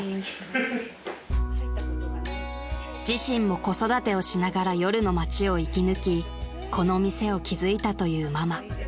［自身も子育てをしながら夜の街を生き抜きこの店を築いたというママ］